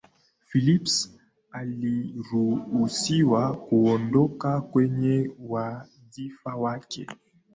phillips aliruhusiwa kuondoka kwenye wadhifa wake